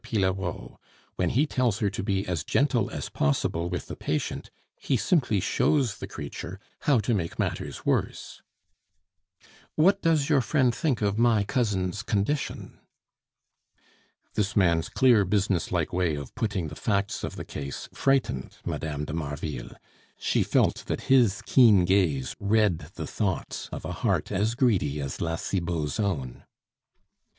Pillerault. When he tells her to be as gentle as possible with the patient, he simply shows the creature how to make matters worse." "What does your friend think of my cousin's condition?" This man's clear, business like way of putting the facts of the case frightened Mme. de Marville; she felt that his keen gaze read the thoughts of a heart as greedy as La Cibot's own.